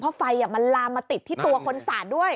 เพราะไฟมันลามมาติดที่ตัวคนสาดด้วย